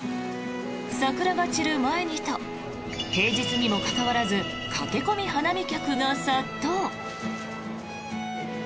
桜が散る前にと平日にもかかわらず駆け込み花見客が殺到。